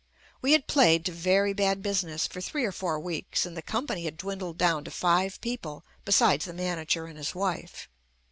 We had played to very bad business for three or four weeks, and the company had dwindled down to five people besides the manager and his wife.